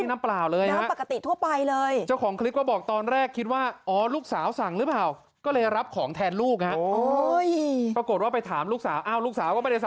ไม่ใช่ที่น้ำเปล่าเลยนะครับ